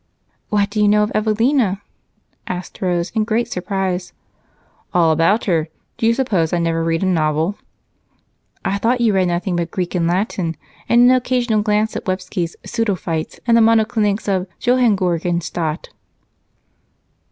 "What do you know about Evelina?" asked Rose in great surprise. "All about her. Do you suppose I never read a novel?" "I thought you read nothing but Greek and Latin, with an occasional glance at Websky's pseudophites and the monoclinics of Johanngeorgenstadt."